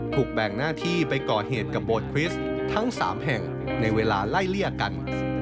ถูกแบ่งหน้าที่ไปก่อเหตุกับโบสถคริสต์ทั้ง๓แห่งในเวลาไล่เลี่ยกัน